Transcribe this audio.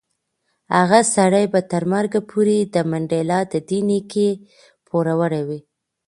هغه سړی به تر مرګ پورې د منډېلا د دې نېکۍ پوروړی وي.